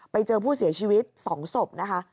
ไปเจอผู้เสียชีวิต๒ศพนะคะ